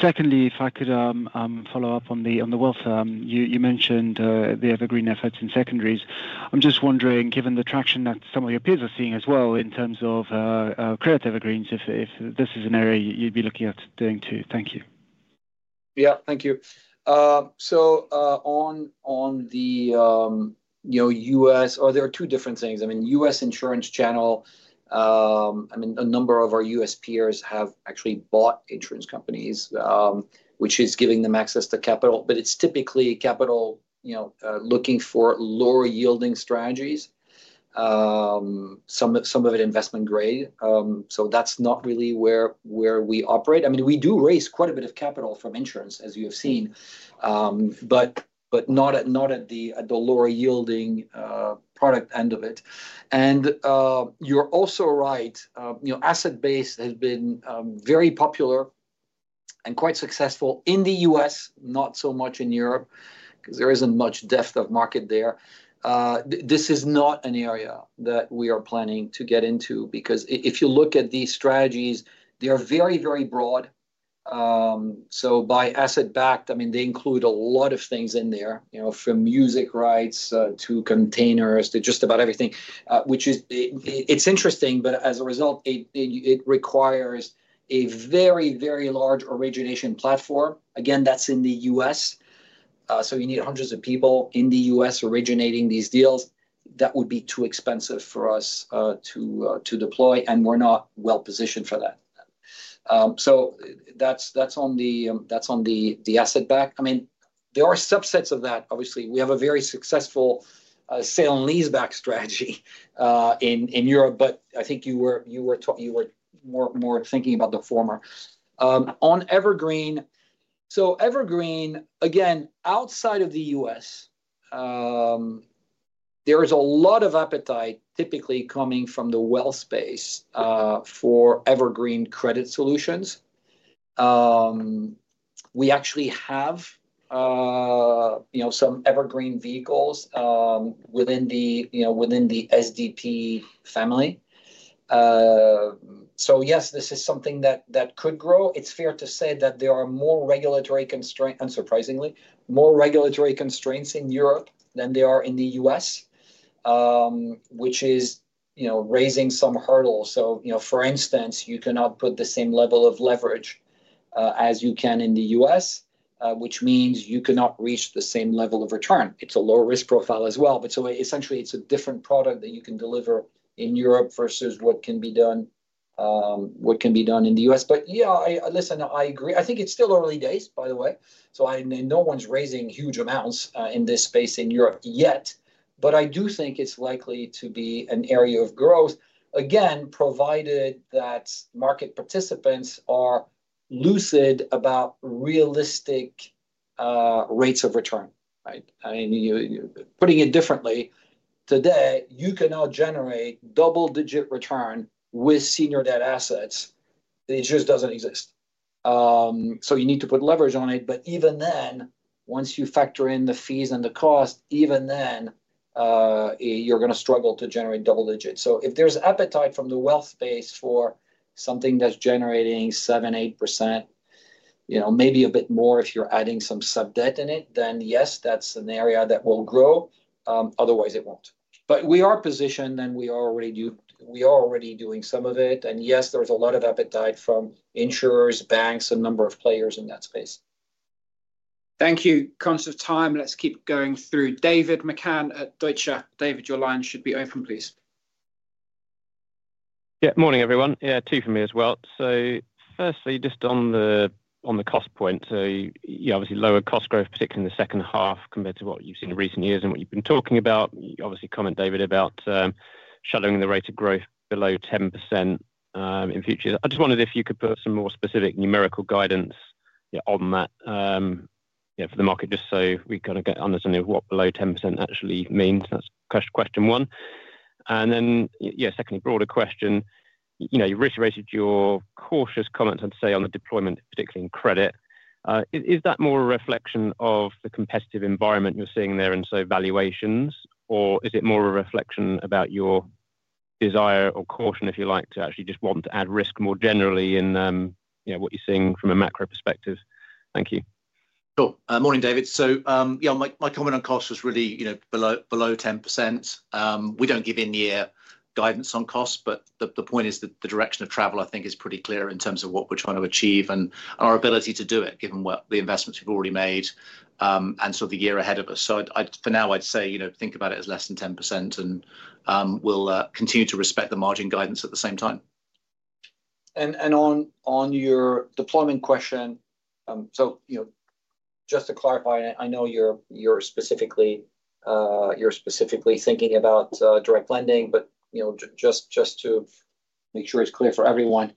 Secondly, if I could follow up on the wealth, you mentioned the Evergreen efforts in secondaries. I'm just wondering, given the traction that some of your peers are seeing as well in terms of credit Evergreens, if this is an area you'd be looking at doing too. Thank you.
Yeah, thank you. On the U.S., there are two different things. I mean, U.S. insurance channel, a number of our U.S. peers have actually bought insurance companies, which is giving them access to capital. It's typically capital looking for lower-yielding strategies, some of it investment-grade. That's not really where we operate. We do raise quite a bit of capital from insurance, as you have seen, but not at the lower-yielding product end of it. You're also right. Asset-based has been very popular and quite successful in the U.S., not so much in Europe because there is not much depth of market there. This is not an area that we are planning to get into because if you look at these strategies, they are very, very broad. By asset-backed, I mean, they include a lot of things in there, from music rights to containers to just about everything, which is interesting, but as a result, it requires a very, very large origination platform. That is in the U.S. You need hundreds of people in the U.S. originating these deals. That would be too expensive for us to deploy, and we are not well-positioned for that. That is on the asset-back. There are subsets of that. Obviously, we have a very successful sale-and-lease-back strategy in Europe, but I think you were more thinking about the former. On Evergreen, so Evergreen, again, outside of the U.S., there is a lot of appetite typically coming from the wealth space for Evergreen credit solutions. We actually have some Evergreen vehicles within the SDP family. So yes, this is something that could grow. It's fair to say that there are more regulatory constraints, unsurprisingly, more regulatory constraints in Europe than there are in the U.S., which is raising some hurdles. For instance, you cannot put the same level of leverage as you can in the U.S., which means you cannot reach the same level of return. It's a low-risk profile as well. Essentially, it's a different product that you can deliver in Europe versus what can be done in the U.S. Yeah, listen, I agree. I think it's still early days, by the way. No one's raising huge amounts in this space in Europe yet. But I do think it's likely to be an area of growth, again, provided that market participants are lucid about realistic rates of return. Right? I mean, putting it differently, today, you cannot generate double-digit return with senior debt assets. It just doesn't exist. You need to put leverage on it. Even then, once you factor in the fees and the cost, even then, you're going to struggle to generate double-digits. If there's appetite from the wealth space for something that's generating 7-8%, maybe a bit more if you're adding some sub-debt in it, then yes, that's an area that will grow. Otherwise, it won't. We are positioned, and we are already doing some of it. Yes, there's a lot of appetite from insurers, banks, a number of players in that space. Thank you. Cons of time. Let's keep going through.
David McCann at Deutsche. David, your line should be open, please.
Yeah. Morning, everyone. Yeah, two for me as well. Firstly, just on the cost point, you obviously lower cost growth, particularly in the second half compared to what you've seen in recent years and what you've been talking about. You obviously comment, David, about shuttling the rate of growth below 10% in future. I just wondered if you could put some more specific numerical guidance on that for the market just so we kind of get understanding of what below 10% actually means. That's question one. Secondly, broader question. You rated your cautious comments, I'd say, on the deployment, particularly in credit. Is that more a reflection of the competitive environment you're seeing there in valuations, or is it more a reflection about your desire or caution, if you like, to actually just want to add risk more generally in what you're seeing from a macro perspective? Thank you.
Sure. Morning, David. Yeah, my comment on cost was really below 10%. We don't give in-year guidance on costs, but the point is that the direction of travel, I think, is pretty clear in terms of what we're trying to achieve and our ability to do it given the investments we've already made and sort of the year ahead of us. For now, I'd say think about it as less than 10%, and we'll continue to respect the margin guidance at the same time.
On your deployment question, just to clarify, I know you're specifically thinking about direct lending, but just to make sure it's clear for everyone,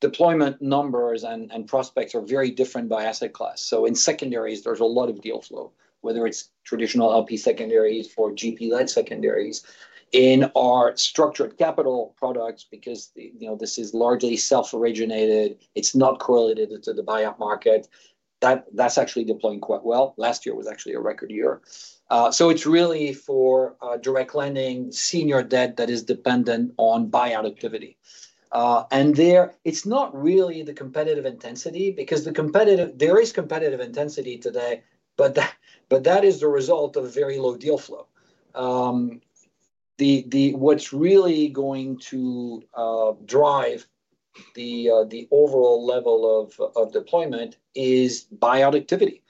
deployment numbers and prospects are very different by asset class. In secondaries, there's a lot of deal flow, whether it's traditional LP secondaries or GP-led secondaries. In our structured capital products, because this is largely self-originated, it's not correlated to the buyout market, that's actually deploying quite well. Last year was actually a record year. It is really for direct lending, senior debt that is dependent on buyout activity. There, it's not really the competitive intensity because there is competitive intensity today, but that is the result of very low deal flow. What's really going to drive the overall level of deployment is buyout activity.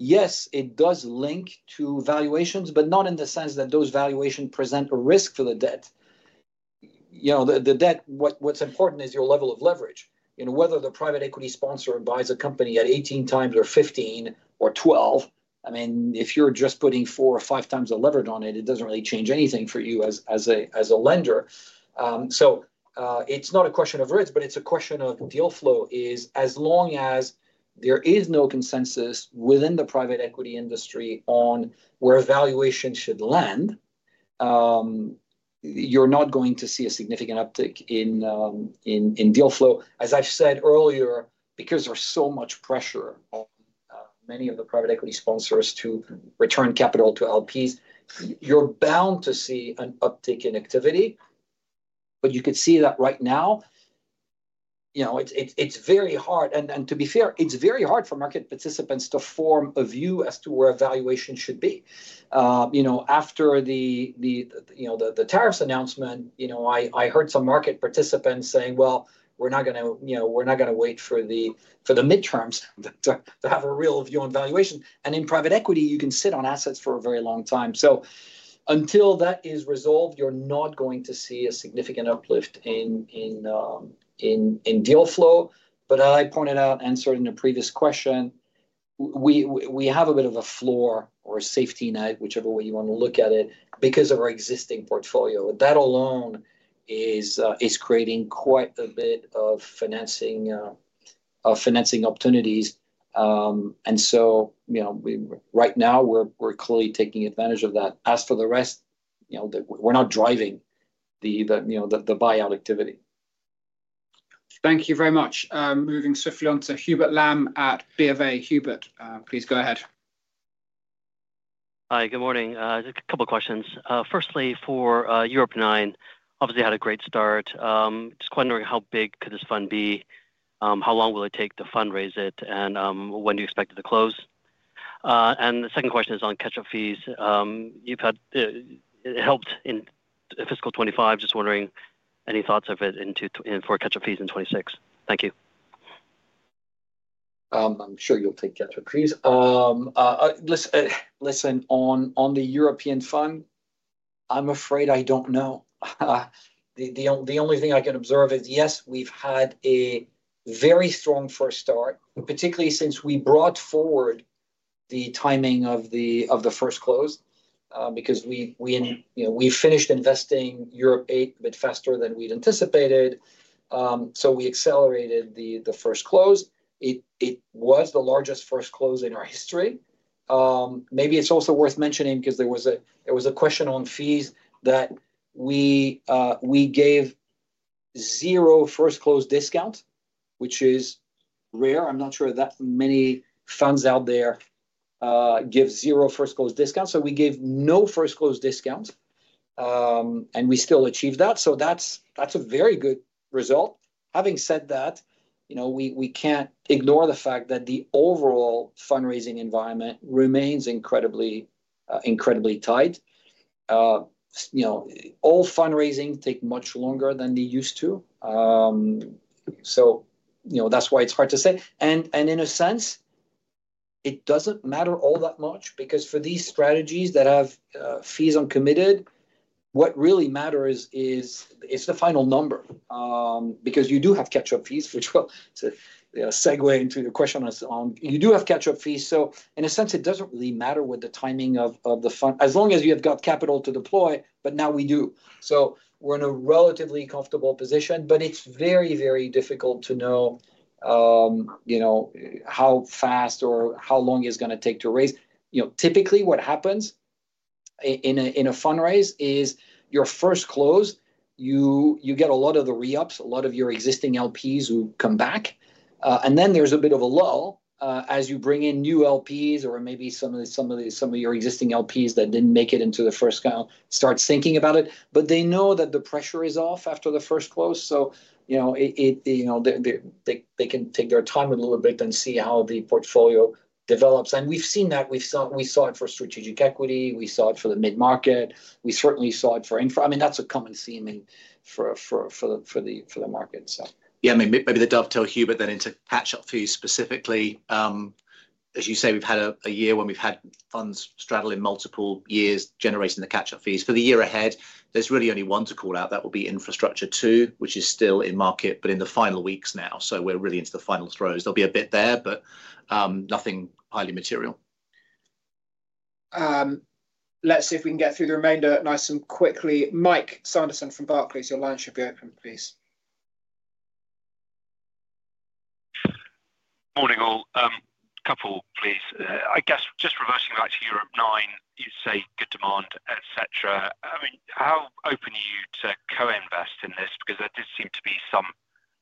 Yes, it does link to valuations, but not in the sense that those valuations present a risk for the debt. The debt, what's important is your level of leverage. Whether the private equity sponsor buys a company at 18 times or 15 or 12, I mean, if you're just putting four or five times the leverage on it, it doesn't really change anything for you as a lender. It is not a question of risk, but it is a question of deal flow. As long as there is no consensus within the private equity industry on where valuations should land, you are not going to see a significant uptick in deal flow. As I have said earlier, because there is so much pressure on many of the private equity sponsors to return capital to LPs, you are bound to see an uptick in activity. You could see that right now. It's very hard. To be fair, it's very hard for market participants to form a view as to where valuation should be. After the tariffs announcement, I heard some market participants saying, "We're not going to wait for the midterms to have a real view on valuation." In private equity, you can sit on assets for a very long time. Until that is resolved, you're not going to see a significant uplift in deal flow. As I pointed out, answering the previous question, we have a bit of a floor or a safety net, whichever way you want to look at it, because of our existing portfolio. That alone is creating quite a bit of financing opportunities. Right now, we're clearly taking advantage of that. As for the rest, we're not driving the buyout activity.
Thank you very much. Moving swiftly on to Hubert Lamb at BFA. Hubert, please go ahead.
Hi. Good morning. Just a couple of questions. Firstly, for Europe Nine, obviously, had a great start. Just wondering how big could this fund be? How long will it take to fundraise it? When do you expect it to close? The second question is on catch-up fees. It helped in fiscal 2025. Just wondering any thoughts for catch-up fees in 2026. Thank you.
I'm sure you'll take catch-up fees. Listen, on the European fund, I'm afraid I don't know. The only thing I can observe is, yes, we've had a very strong first start, particularly since we brought forward the timing of the first close because we finished investing Europe Eight a bit faster than we'd anticipated. We accelerated the first close. It was the largest first close in our history. Maybe it's also worth mentioning because there was a question on fees that we gave zero first close discount, which is rare. I'm not sure that many funds out there give zero first close discounts. We gave no first close discount, and we still achieved that. That's a very good result. Having said that, we can't ignore the fact that the overall fundraising environment remains incredibly tight. All fundraising takes much longer than they used to. That's why it's hard to say. In a sense, it doesn't matter all that much because for these strategies that have fees uncommitted, what really matters is the final number because you do have catch-up fees, which will segue into your question on you do have catch-up fees. In a sense, it doesn't really matter what the timing of the fund is, as long as you have got capital to deploy, but now we do. We're in a relatively comfortable position, but it's very, very difficult to know how fast or how long it's going to take to raise. Typically, what happens in a fundraise is your first close, you get a lot of the re-ups, a lot of your existing LPs who come back. Then there's a bit of a lull as you bring in new LPs or maybe some of your existing LPs that didn't make it into the first count start thinking about it. They know that the pressure is off after the first close. They can take their time a little bit and see how the portfolio develops. We've seen that. We saw it for strategic equity. We saw it for the mid-market. We certainly saw it for infra. I mean, that's a common theme for the market, so.
Yeah. Maybe to dovetail, Hubert, then into catch-up fees specifically. As you say, we've had a year when we've had funds straddle in multiple years generating the catch-up fees. For the year ahead, there's really only one to call out. That will be Infrastructure Two, which is still in market, but in the final weeks now. So we're really into the final throes. There'll be a bit there, but nothing highly material.
Let's see if we can get through the remainder nice and quickly. Mike Sanderson from Barclays, your line should be open, please.
Morning, all. Couple, please. I guess just reversing back to Europe Nine, you say good demand, etc. I mean, how open are you to co-invest in this? Because there did seem to be some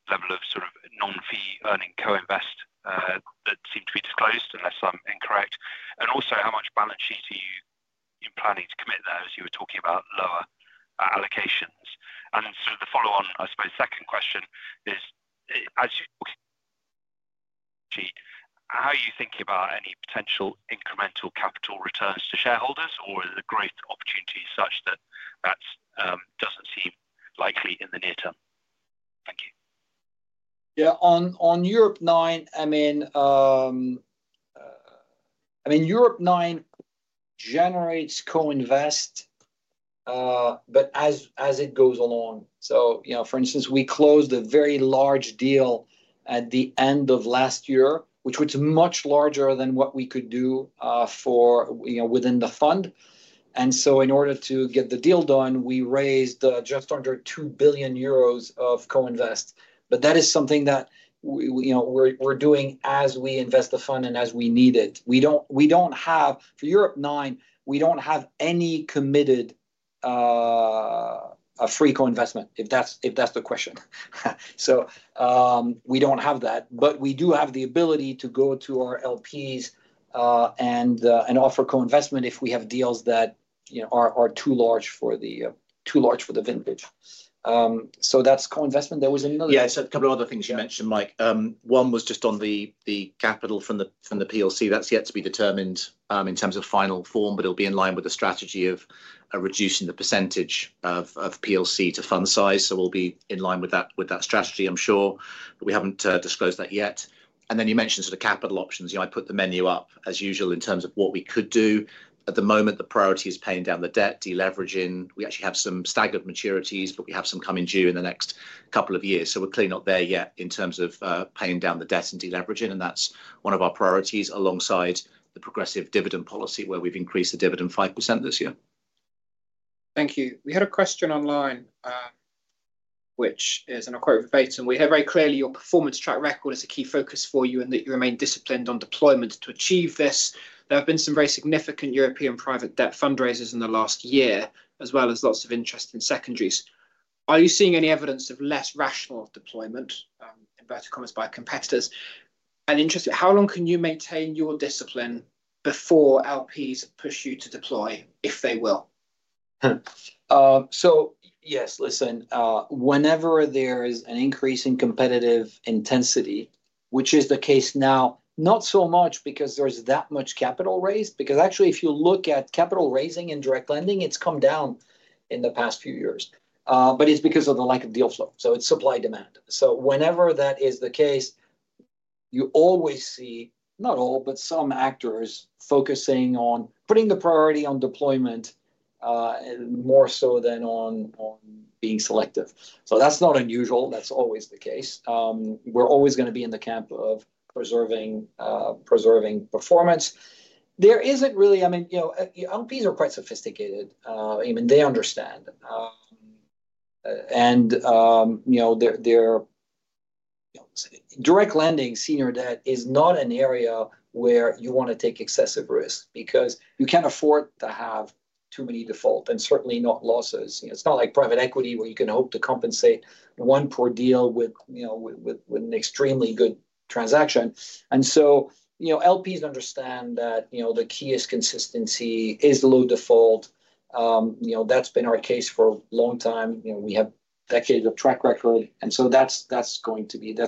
level of sort of non-fee earning co-invest that seemed to be disclosed, unless I'm incorrect. Also, how much balance sheet are you planning to commit there as you were talking about lower allocations? The follow-on, I suppose, second question is, as you're talking about balance sheet, how are you thinking about any potential incremental capital returns to shareholders, or is the growth opportunity such that that doesn't seem likely in the near term? Thank you.
Yeah. On Europe Nine, I mean, Europe Nine generates co-invest, but as it goes along. For instance, we closed a very large deal at the end of last year, which was much larger than what we could do within the fund. In order to get the deal done, we raised just under 2 billion euros of co-invest. That is something that we're doing as we invest the fund and as we need it. For Europe Nine, we do not have any committed free co-investment, if that's the question. We do not have that. We do have the ability to go to our LPs and offer co-investment if we have deals that are too large for the vintage. That is co-investment. There was another.
Yeah. I said a couple of other things you mentioned, Mike. One was just on the capital from the PLC. That is yet to be determined in terms of final form, but it will be in line with the strategy of reducing the percentage of PLC to fund size. We will be in line with that strategy, I am sure. We have not disclosed that yet. You mentioned sort of capital options.
I put the menu up as usual in terms of what we could do. At the moment, the priority is paying down the debt, deleveraging. We actually have some staggered maturities, but we have some coming due in the next couple of years. We are clearly not there yet in terms of paying down the debt and deleveraging. That is one of our priorities alongside the progressive dividend policy where we have increased the dividend 5% this year.
Thank you. We had a question online, which is an acquaintance. We hear very clearly your performance track record is a key focus for you and that you remain disciplined on deployment to achieve this. There have been some very significant European private debt fundraisers in the last year, as well as lots of interest in secondaries. Are you seeing any evidence of less rational deployment by competitors? Interestingly, how long can you maintain your discipline before LPs push you to deploy if they will?
Yes, listen, whenever there is an increase in competitive intensity, which is the case now, not so much because there is that much capital raised, because actually, if you look at capital raising in direct lending, it has come down in the past few years. It is because of the lack of deal flow. It is supply and demand. Whenever that is the case, you always see, not all, but some actors focusing on putting the priority on deployment more so than on being selective. That is not unusual. That is always the case. We are always going to be in the camp of preserving performance. There is not really, I mean, LPs are quite sophisticated. I mean, they understand. Direct lending, senior debt is not an area where you want to take excessive risk because you can't afford to have too many defaults and certainly not losses. It's not like private equity where you can hope to compensate one poor deal with an extremely good transaction. LPs understand that the key is consistency, is low default. That's been our case for a long time. We have decades of track record. That's going to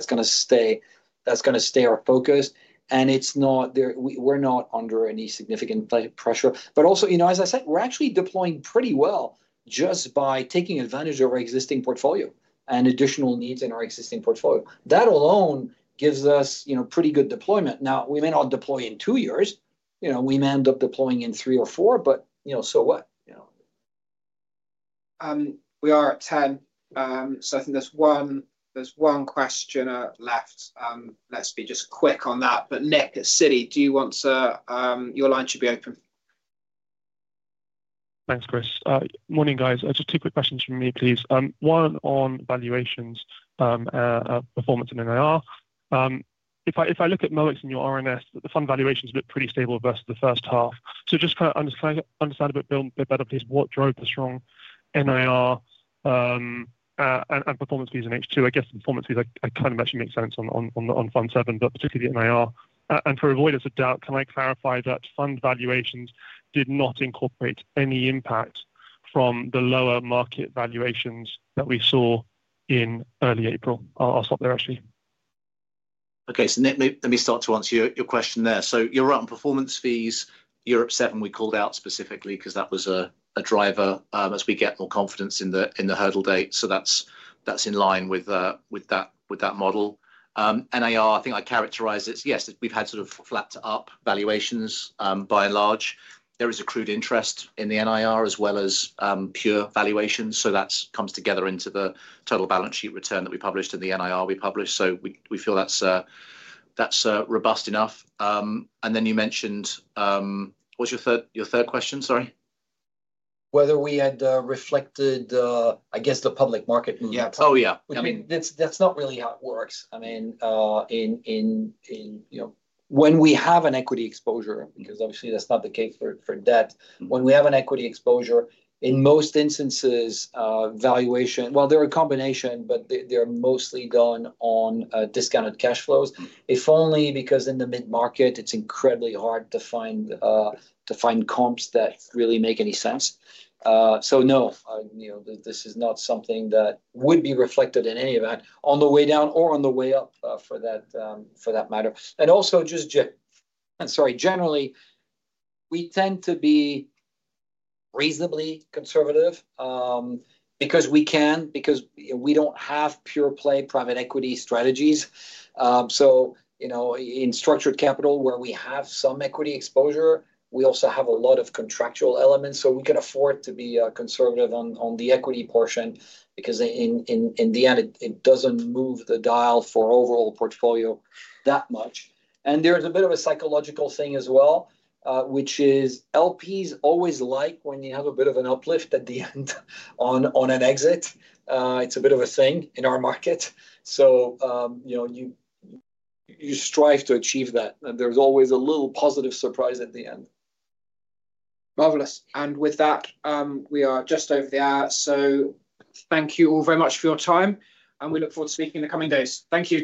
stay our focus. We're not under any significant pressure. Also, as I said, we're actually deploying pretty well just by taking advantage of our existing portfolio and additional needs in our existing portfolio. That alone gives us pretty good deployment. We may not deploy in two years. We may end up deploying in three or four, but so what?
We are at 10. I think there's one question left. Let's be just quick on that. Nick at Citi, do you want to, your line should be open.
Thanks, Chris. Morning, guys. Just two quick questions from me, please. One on valuations, performance, and NIR. If I look at Molex and your R&S, the fund valuations look pretty stable versus the first half. Just kind of understand a bit better, please, what drove the strong NIR and performance fees in H2. I guess the performance fees kind of actually make sense on fund seven, but particularly the NIR. To avoid a doubt, can I clarify that fund valuations did not incorporate any impact from the lower market valuations that we saw in early April? I'll stop there, actually. Okay.
Let me start to answer your question there. You're right on performance fees.
Europe 7, we called out specifically because that was a driver as we get more confidence in the hurdle date. That is in line with that model. NIR, I think I characterize it as, yes, we have had sort of flat to up valuations by and large. There is accrued interest in the NIR as well as pure valuations. That comes together into the total balance sheet return that we published and the NIR we published. We feel that is robust enough. You mentioned, what was your third question? Sorry.
Whether we had reflected, I guess, the public market movement. Yeah. Oh, yeah. I mean, that is not really how it works. I mean, when we have an equity exposure, because obviously, that's not the case for debt, when we have an equity exposure, in most instances, valuation, well, they're a combination, but they're mostly done on discounted cash flows. If only because in the mid-market, it's incredibly hard to find comps that really make any sense. No, this is not something that would be reflected in any event on the way down or on the way up for that matter. Also, just sorry, generally, we tend to be reasonably conservative because we can, because we don't have pure-play private equity strategies. In structured capital where we have some equity exposure, we also have a lot of contractual elements. We can afford to be conservative on the equity portion because in the end, it doesn't move the dial for overall portfolio that much. There is a bit of a psychological thing as well, which is LPs always like when you have a bit of an uplift at the end on an exit. It is a bit of a thing in our market. You strive to achieve that. There is always a little positive surprise at the end.
Marvelous. With that, we are just over the hour. Thank you all very much for your time. We look forward to speaking in the coming days. Thank you.